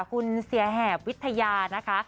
คุณเสียแหบวิทยานะคะ